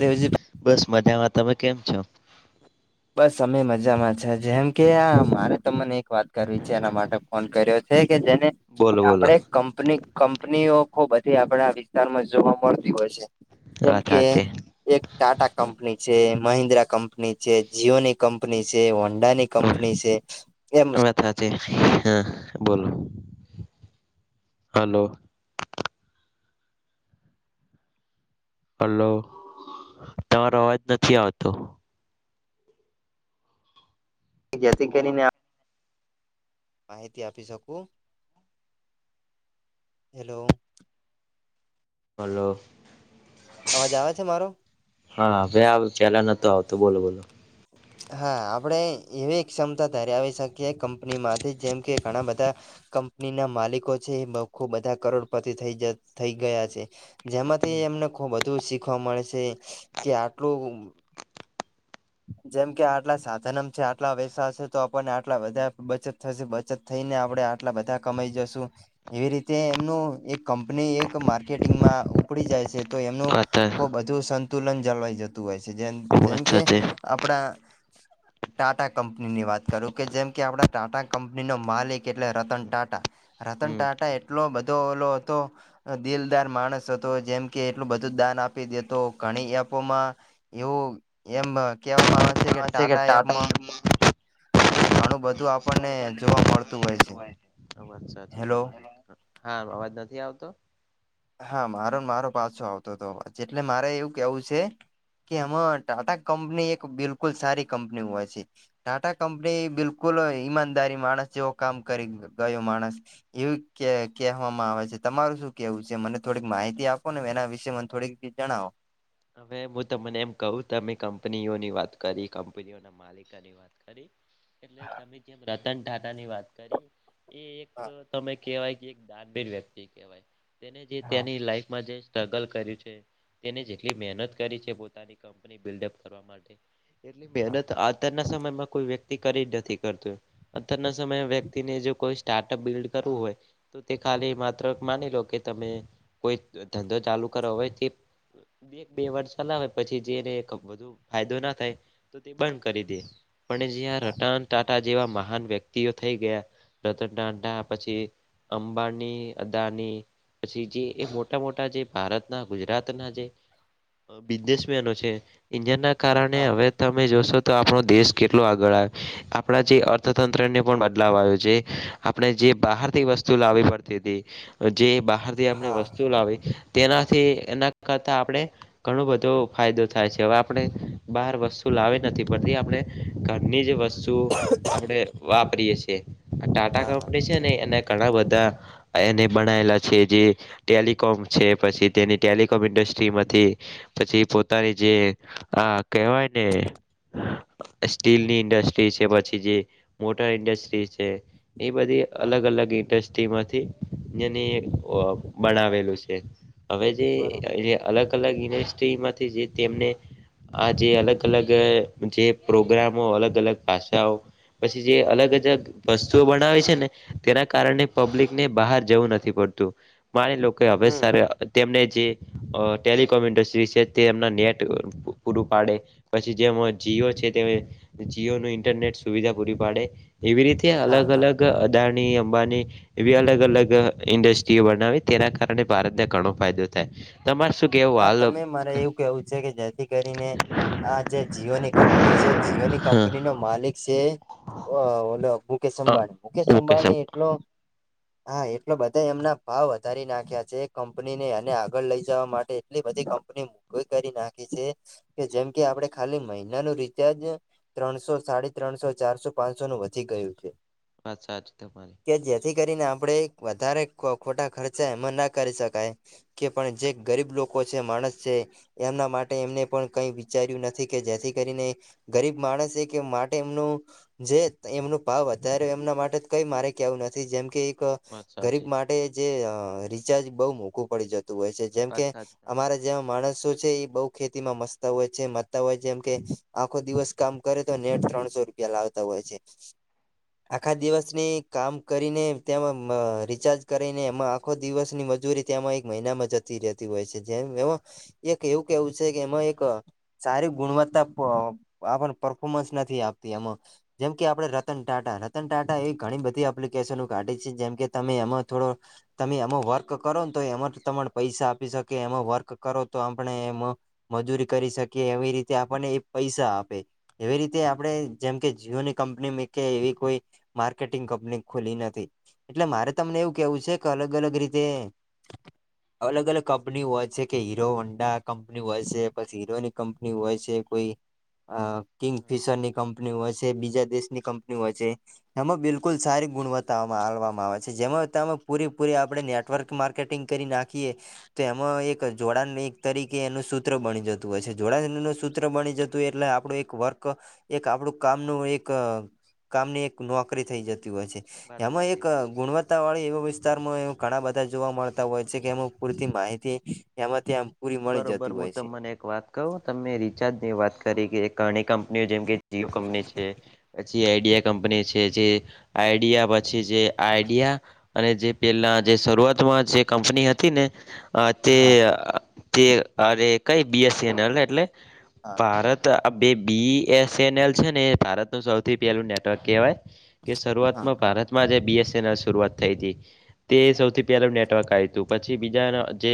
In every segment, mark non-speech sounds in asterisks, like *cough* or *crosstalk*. દેજી *inaudible* બસ મજામાં તમે કેમ છો બસ અમે મજામાં છે જેમ કે આ મારે તમને એક વાત કરવી છે એના માટે ફોન કર્યો છે. કે જેને બોલો બોલો આપડે કંપની કંપનીઓ ખુબધી આપડા વિસ્તારમાં જોવા મળતી હોય છે. જેમ વાત કે હાચે એક ટાટા કંપની છે મહિન્દ્રા કંપની છે. જીઓની કંપની છે હોન્ડા ની કંપની છે. એમ સાચુ હા બોલો હલો હલો તમારો અવાજ નથી આવતો જેથી કરીને માહિતી આપી શકું હેલો ફોલો અવાજ આવે છે મારો હા ભવે પેલા *unintelligible* નતતો આવતોું બોલો બોલો હા આપણે એવી ક્ષમતા ધરાવી શકીએ કંપનીમાંથી જેમ કે ઘણા બધા- કંપની ના માલિકો છે એ બખુ બધા કરોડ પરથી થ થઈ ગયા છે. જેમાંથી એમને ખબ બધું શીખવા મળે છે. કે આટલું જેમ કે આટલા સાધનમ છે આટલા વૈસા છે તો આપણને આટલા વધધારે બચત થશે. બચત- થઈને આપણે આટલા બધા કમાઈ જશું. એવી રીતે એમનું એક કંપની એક માર્કેટિંગમાં ઉપડી જાય છે. તો એમનું વાત ખુબ બધું સંતુલન જળવાઈ જતું હોય છે જેમ જેમ વાત કે. હાચે આપણા- ટાટા કંપનીની વાત કરું કે જેમ કે આપણા ટાટા કંપનીનો માલિક એટલે રતન ટાટા- -રતન હમ ટાટા એટલો બધો ઓલો હતો. દિલદાર માણસ હતો જેમ કે એટલું બધું દાન આપી દેતો ઘણી એપોમાં- એવું એમ કેહેવામાં આવે છે કે ટાટા એપમાં- ઘણું બધું આપણને જોવા મળતું હોય છે. અ વાત સાચી હેલો તમારે હા અવાજ નથી આવતો *unintelligible* હા મારો ને મારો પાછો આવતો હતો એટલે મારે એવું કેવું છે કે આમાં ટાટા- કંપની એક બિલકુલ સારી કંપની હોય છે. ટાટા કંપની બિલકુલ ઈમાનદારી માણસ જેવો કામ કરી ગયો માણસ. એવું કે કહેવામાં આવે છે તમારું શું કેવું છે. જે મને થોડીક માહિતી આપો ને એના વિશે મને થોડીકી જણાવો. હવે હું તમને એમ કહું તમે કંપનીઓની વાત કરી કંપનીઓ ના માલિકાની વાત. એટલે તમે જેમ રતન ટાા ની વાત કરી એ એક હા તમે. કેહેવાય કે એક દાનબેન વ્યક્તિ કહેવાય તેને જે હા તેની લાઈફમાં જે. સગ છે તે જેલી મનત કરી છે પોતાની કપની બડઅપ કરવા માટે એટલી હા મહેનત આતારના સમયમાં કોઈ વ્યક્તિ કરી જ નથી કરત અત્યારના સમયે વ્યક્તિને જો કોઈ સ્ટાર્ટઅપ બિલ્ડ કરવું હોય? તો તે ખાલી માત્ર માની લો કે તમે કોઈ ધંધો ચાલુ કરો હોવે તે. એક બે વર્ષ ચલાવેય પછી જેને બધુ ફાયદો ના થાય તો તે બંધ કરી દે- પણ જ્યાં હા રતન ટાંટા જેવા મહાન વ્યક્તિઓ થઈ ગયા રતન ટાંટા પછી. અંબાણી અદાની- પછી જે એ મોટા મોટા જે ભારતના ગુજરાત ના જે બિઝનેસમેનો છે જ ના કારણે હવે હા ત તમે જોશો તો આપણો દેશ કેટલો આગળ આવે આપણા જે અર્થતંત્ર ને પણ બદલાવ આવ્યો છે આપણે જે બહાર વસ્તુ લાવવી પડતી હતી. જે બહારથી હા આપણે હા વસ્તુઓ લાવી તેનાથી એના કરતા આપણે- ઘણો બધો ફાયદો થાય છે હવે આપણે બહાર વસ્તુ લાવી નથી પરતી આપણે ઘરની જ વસ્તુ- આપણે વાપરીએ છીએ ટાટા હા હા કંપની છે ને એના ઘણા બધા- એને બનાયેલા છે જે ટેલિકમ છે પછી તેની ટેલિકોમ ઇન્ડસ્ટ- પછી પોતાની જે આ કહેવાય ને - સ્ટીલ ની ઇન્ડસ્ટ્રી છે પછી જે મોટર ઇન્ડસ્ટ્રી છે. એ બધી અલગ અલગ ઇન્ડસ્ટ્રી - તેમાંથી બનાવેલું છે હવે જે બરોબર *inaudible* અલગ અલગ યુનિવર્સ્ટ્રીમાંથી જે તેમને આ જે અલગ અલગ જે પ્રોગ્રામો અલગ અલગ ભાષાઓ પછી જે અલગ અજગ- વસ્તુઓ બનાવે છે ને તેના કારણે પબ્લિક ને બહાર જવું નથી પડતું. માની લો કે હવે સર હમ તેમને જે? અ ટેલિકોમ ઇન્ડસ્ટ્રી છે તે એમના નેટ પૂરું પાડે! પછી જેમ જીઓ છે તે જીઓનું ઇન્ટરનેટ સુવિધા પૂરી પાડે એવી રીત ત્યાં હા અલગ હા અલગ અદાણી અંબાની એવી અલગ અલગ ઇન્ડસ્ટ્રીઓ બનાવી તેના કારણે ભારતને ઘણો ફાયદો થાય. તમારે શું કેવું હા હાલ તમે મારે એવું કેવું છે કે જેથી કરીને આ જે જીઓ ની કંપની છે જીઓ ની હા કંપની નો માલિક છે ઓ ઓલો મુકેશ અ અંબાણી મુકેશ ઓકે સર અંબાણી એટલો હા એટલો બધા એમના ભાવ વધારી નાખ્યા છે કંપની ને અને આગળ લઇ જવા માટ ટે એટલી બધી કંપની *unintelligible* કરી નાખી છે. કે જેમ કે આપડે ખાલી મહિનાનું રિચાર્જ ત્રણસો સાડી ત્રણસો ચારસો પાંચસો નું વધી ગયું છે. વાત સાચી તમારી. કે જેથી કરીને આપણેે વધારે ખો ખોટા ખર્ચા એમાં ના કરી શકાય કે પણ જે ગરીબ લોકો છે માણસ છે એમના માટે એમને પણ કંઈ વિચાર્યું નથી કે જેથી કરીને ગરીબ માણસ છે કે માટે એમનું જે એમનું ભાવ અત્યારે એમના માટે કઈ મારે કેવું નથી જેમ કે કા વાત ગરીબ સાચી માટે જે રિચાર્જ બહુ મોંઘું પડી જતું હોય છે જે વાત કે સાચી તમારી અમારા જેવા માણસો છે ઈ બહુ ખેતી માં મસ્તા હોય છે મતા હોય જેમ કે આખો દિવસ કામ કરે તો નેટ ત્રણસો રૂપ પિયા લાવતા હોય છે. આખા હમ દિવસની કામ કરીને તેમાં આ રિચાર્જ કરીને એમાં આખો દિવસની મજૂરી ત્યામાં એક મહિનામાં જતી રહેતી હોય છે જેમ એમાં એક એવું કેવું છે કે એમાં એક સારી ગુણવત્તા આપ આ પરફોર્મન્સ નથી આપતી એમાં. જેમ કે આપણે રતન ટાટા રતન ટાટા એવી ઘણી બધી એપ્લિકેશનો કાઢી છે જેમ કે તમે એમાં થોડો તમે એમાં વર્ક કરો ને તો એમાં તને પૈસા આપી શકે એમાં વર્ક કરો તો આપણે એમાં મજૂરી કરી શકીએ એવી રીતે આપણને એ પૈસા આપે. એવી રીતે આપડે જેમ કે જીઓની કંપની મી કે એવી કોઈ માર્કેટિંગ કંપની ખુલી નથી. એટલે મારે તમને એવું કેવું છે કે અલગ અલગ રીતે અલગ અલગ કંપની હોય છે કે હીરો વંડા કંપની હોય છે પછી હીરોની કંપની હોય છે કોઈ અ કિંગ હમ ફિશર ની કંપની હોય છે બીજા દેશની કંપ ની હોય છે એમાં બિલકુલ સારી ગુણવત્તામાંવામાં આવે છે જેમાં તમે પૂરીપૂરી આ આપણે વાત નેટવર્ક સાચી માર્કેટિંગ કરી નાખીએ તો એમાં એક જોડાણ એક તરીકે એનું સૂત્ર બની જતું હય છે જોડાણ નું સૂત્ર બની જતુંય એટલે આપણું એક એક વર્ક એક આપડું કામનું એક કામની એક નોકરી થઈ જતી હોય છે. વાત એમાં એક સાચી ગુણવત્તા વાળી એવા વિસ્તારમાં ઘણા બધા જોવા મળતા હોય છે કે એમાં પૂરતી માહિતી એમાં થી એમ પૂરી મળી બરોબર જતી હું હોય છે. તમને વાત કું તમે રિચાર્જ ની વાત કરી કે ઘણી કંપનીઓ જેમ કે જીઓ કંપની છે. પછી આઈડિયા કંપની છે જે આઈડિયા પછી જે આઈડિયા અને જે પેલા જે શરૂઆતમાં જે કંપની હતી ને આ તે હા તે અરે કઈ બીએસ એન એલ એટલે હા ભારત આ બે બી એસ એન એલ છે ને ભારત સૌથી પહેલું નેટવર્ક કહેવાય કે હા શરૂઆતમાં ભારતમાં આજે બીએસનલ શરૂઆત થઈ હતી. તે સૌથી પહેલું નેટવર્ક આવી હતું પછી બીજા જે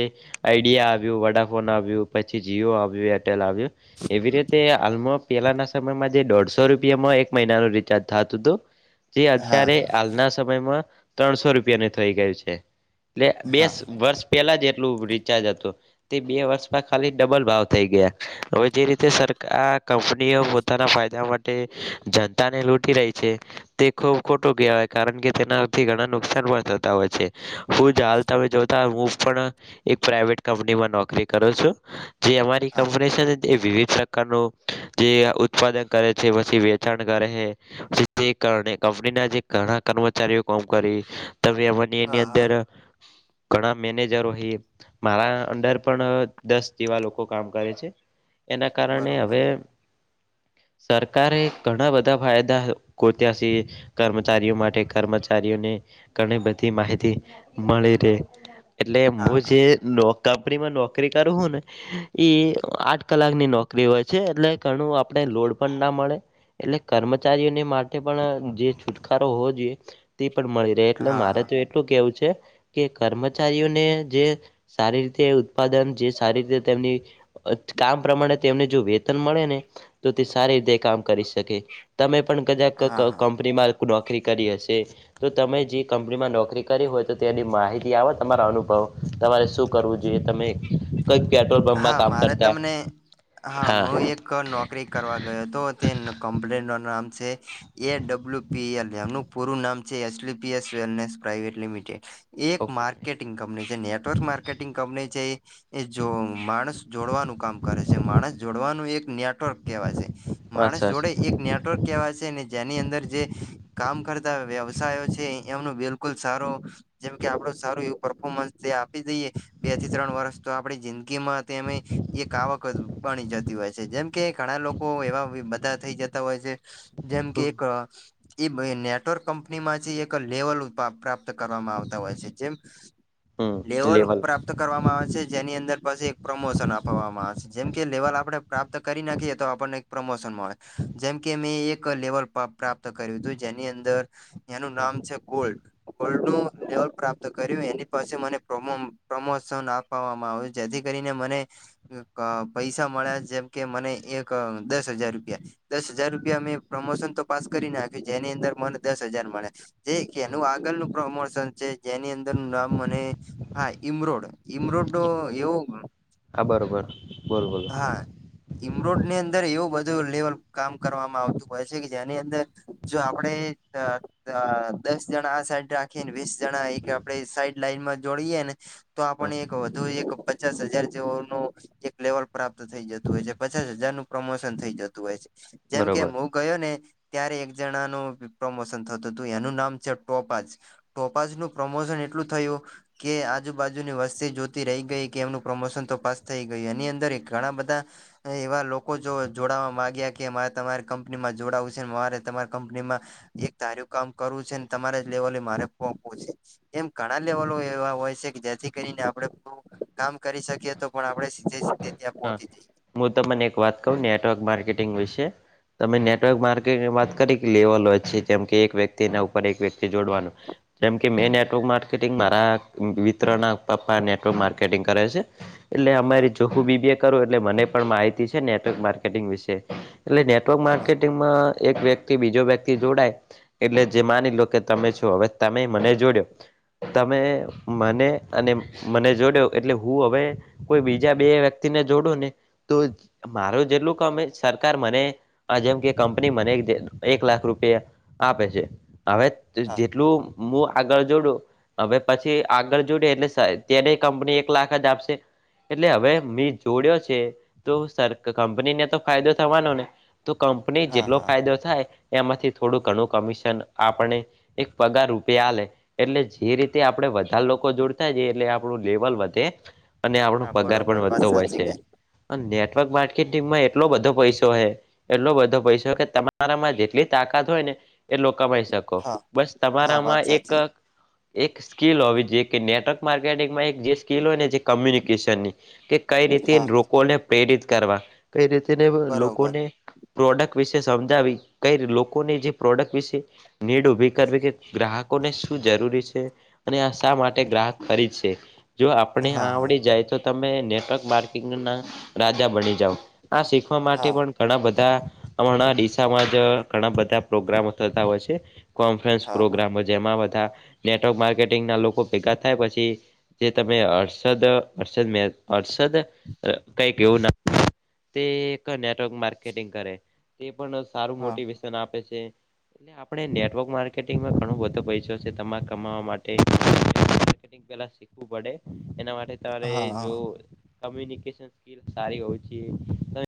આઈડિયા જિયો વડાફોન આવ્યું પછી જીઓ આવ્યું એરટેલ આવ્યું એવી રીતે હાલમાં પેલાના સમયમાં જે દોઢસો રૂપિયામાં એક મહિનાનું રિચાર્જ થતું હતું જે અત્યારે હા હાલના સમયમાં ત્રણસો રૂપિયાનું થઈ ગયું છે. એટલે બે હા વર્ષ પેલા જ એટલું રિચાર્જ હતું. તે બે વર્ષમાં ખાલી ડબલ ભાવ થઈ ગયા હવે જે રીતે સરકાર કંપનીઓ વા પોતાના ફાયદા માટે જનતા ને લૂટી રહી છે. તે ખૂબ ખોટો કહેવાય કારણ કે તેનાથી ઘણા નુકસાન પણ થતા હોય છે. હું જ હાલ તમે જોતા હું પણ એક પ્રાઇવેટ કંપનીમાં નોકરી કરું છું. જે અમારી હા કંપની છે ને એ વિવિધ નું જે ઉત્પાદન કરે છે પછી વેચાણ કરે છે. તે કારણે કંપની ના જે ઘણા કર્મચારીઓ કોમ કરી તમે એ ને એની હા હા અંદર ગણા મેનેજર હોય મારા અંડર પણ દસ જેવા લોકો કામ કરે છે એના કારણે બરોબર હવે સરકારે ઘણા બધા ફાયદા ગોત્યા છે. કર્મચારીઓ માટે કર્મચારીઓને ઘણી બધી માહિતી મળી રહે એટલે મું હા જે નો કાપરીમાં નોકરી કરું હું ને ઈ આઠ કલાક ની નોકરી હોય છે એટલે ઘણું આપણે લોડ પણ ના મળે એટલે કર્મચારીઓને માટે પણ જે છુટકારો હોવો જોઈએ તે પણ મળે એટલે હા મારે તો એટલું કેવું છે કે કર્મચારીઓને જે સારી તે ઉત્પાદન જે સારી રીતે તેમની કામ પ્રમાણે તેમને જો વેતન મળે ને તો તે સારી રીતે કામ કરી શકે તમે પણ કદાક હા હા કંપની માં નોકરી કરી હશે તો તમે જે કંપનીમાં નોકરી કરી હોય તો તેની માહિતી આવો તમારા અનુભવ તમારે શું કરવું જોઈએ તમે કઈક પેટ્રોલ પંપમાં હા કામ મારે કરતા તમને હા મું એક નોકરી કરવા ગયો હતો તેન કંપનીનું નામ છે એ ડબલ્યુ પી એલ એમનું પૂરું નામ છે H P S wellness private limited એક ઓકે માર્કેટિંગ કંપની છે, નેટવર્ક માર્કેટિંગ કંપની છે એ જો માણસ જોડવાનું કામ કરે છે, માણસ જોડવાનું એક નેટવર્ક કહેવાય છે. માણસ મસાજ જોડે એક નેટવર્ક કેવા છે, ને જેની અંદર જે કામ કરતા વ્યવસાયો છે, એમનું બિલકુલ સારો જેમકે આપણું સારું એવું પરફોર્મન્સ જે આપી દઈએ બે થી ત્રણ વર્ષ. તો આપણે જિંદગીમાં અમે એક આવક બની જતી હોય છે, જેમ કે ઘણા લોકો એવા બધા થઈ જતા હોય છે. જેમ કે એક હમ એ નેટવર્ક કંપની માંથી એક લેવલ પ્રાપ્ત કરવામાં આવતા હોય છે જેમ લેવલ પ્રાપ્ત કરવામાં આવે છે. જેની અંદર પાછી એક પ્રમોશન આપવામાં આવે છે, જેમ કે લેવલ આપણે પ્રાપ્ત કરી નાખીએ તો આપણને પ્રમોશન મળે. જેમકે મેં એક લેવલ પ્રાપ્ત કર્યું હતું જેની અંદર એનું નામ છે ગોલ્ક ગોલ્ડનું લેવલ પ્રાપ્ત કર્યું એની પાછળ મને પ્રમોશન આપ વામાં આવે જેથી કરીને મને પૈસા મળ્યા જેમ કે મને દસ હજાર રૂપિયા દસ હજાર રૂપિયા મે પ્રમોશન તો પાસ કરી નાખ્યું, જેની અંદર મને દસ હજાર મળે. જે કે એનું આગળનું પ્રમોશન છે જેની અંદરનું નામ મને હા ઈમરોડ ઇમરોડ એવું હા, બરોબર. બોલો બોલો હા. ઈમરોડની અંદર એવું બધું લેવલ કામ કરવામાં આવતું હોય છે, કે જેની અંદર જો આપણે દસ જણા આ સાઈડ રાખી ને વીસ જણા એક આપણે સાઈડ લાઈનમાં જોડીએ ને તો હ આપણને એક વધુ એક પચાસ હજાર જેવોનું એક લેવલ પ્રાપ્ત થઈ જતું હોય છે. પચાસ હજારનું પ્રમોશન થઈ જતું હોય છે. જેમ કે બરોબર *inaudible* ગયો ને ત્યારે એક જણાનું પ્રમોશન થતું તું. એનું નામ છે ટોપાજ. ટોપાસનું પ્રમોશન એટલું થયું કે આજુબાજુની વસ્તી જોતી રહી ગઈ કે એમનું પ્રમોશન તો પાસ થઈ ગયું એની અંદર ઘણા બધા એવા લોકો જોડાવા માંગ્યા કે મારે તમારી કંપનીમાં જોડાવું છે મારે તમારી કંપનીમાં એક તારું કામ કરવું છેને તમારા જ લેવલે મારે પહોંચવું છે. એમ ઘણા લેવલો એવા હોય છે કે જેથી કરીને આપણે થોડું કામ કરી શકીએ. તો પણ આપણે સીધે-સીધે ત્યાં પહોકી જઈએ. મું તમને એક વાત કહું નેટવર્ક માર્કેટિંગ વિશે? તમે નેટવર્ક માર્કેટની વાત કરી કે લેવલ હોય છે. જેમ કે એક વ્યક્તિના ઉપર એક વ્યક્તિ જોડવાનું. જેમ કે મેં નેટવર્ક માર્કેટિંગ મારા મિત્રના પપ્પા નેટવર્ક માર્કેટિંગ કરે છે. એટલે હા અમારી જોખું બી બી એ કરું એટલે મને પણ માહિતી છે નેટવર્ક માર્કેટિંગ વિશે. એટલે નેટવર્ક હા માર્કેટિંગમાં એક વ્યક્તિ બીજો વ્યક્તિ જોડાય એટલે જે માની લો કે તમે છો હવે તમે મને જોડ્યો. તમે મને અને મને જોડ્યો એટલે હું હવે કોઈ બીજ જ્યાં બે વ્યક્તિને જોડો ને તો જ મારું જેટલું કમે સરકાર મને અ જેમ કે કંપની મને એક લાખ રૂપિયા આપે છે. હવે હા જેટલું મું આગળ જોડું હવે પછી આગળ જોડે એટલે સ તેને કંપની એક લાખ જ આપશે. એટલે હવે મે જોડ્યો છે તો સર કંપનીને તો ફાયદો થવાનો ને? તો કંપની હા જેટલો હા ફાયદો થાય એમાંથી થોડું ઘણું કમિશન આપણે એ પગાર રૂપિયા આલે. એટલે જે રીતે આપણે વધાર લોકો જોડતા જઈએ એટલે આપણું લેવલ વધે અને આપ હા પગાર પણ બરોબર વાત વધતો હોય સાચી છે. કરી અને નેટવર્ક માર્કેટિંગમાં એટલો બધો પૈસો હે એટલો બધો પૈસો કે તમારામાં જેટલી તાકાત હોય ને એટલો કમાઈ શકો. હા બસ હા વાત તમારામાં એક સાચી એક સ્કિલ હોવી જોઈએ કે નેટવર્ક માર્કેટિંગમાં એક જે સ્કિલ હોય ને જે કમ્યુનિકેશ કેશનની કે કઈ રીતે હા લોકોને પ્રેરિત કરવા, કઈ રીતેને બરોબર લોકોને પ્રોડક્ટ વિશે સમજાવી, કઈ લોકોને જે પ્રોડક્ટ વિશે નીડ ઉભી કરવી કે ગ્રાહકોને શું જરૂરી છે. અને આ શા માટે ગ્રાહક ખરીદશે. જો આપણે આ હા હા આવડી જાય તો તમે નેટવર્ક માર્કિંગના રાજા બની જાવ આ શીખ વા માટે હા પણ ઘણા બધા હમણાં દિશામાં જ ઘણા બધા પ્રોગ્રામો થતા હોય છે. કોન્ફરન્સ હા પ્રોગ્રામો જેમાં બધા નેટવર્ક માર્કેટિંગના લોકો ભેગા થાય પછી જે તમે હર્ષદ હર્ષદ મેં હર્ષદ અ કંઈક એવું નામ તે એક નેટવર્ક માર્કેટિંગ કરે. તે પણ સારું હા મોટિવેશન આપે છે. એટલે આપણે નેટવર્ક માર્કેટિંગમાં ઘણો બધો પૈસો છે. તમાર કમાવા માટે *inaudible* ઈ પેલા શીખવું પડે. એના માટે તમારે હા હા જો કમ્યુનિકેશન સ્કીલ સારી હોવી જોઈએ.